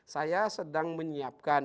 saya sedang menyiapkan